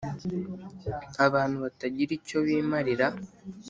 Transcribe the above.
Abantu batagira icyo bimarira